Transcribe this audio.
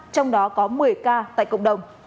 trong đó có một mươi ca tại cộng đồng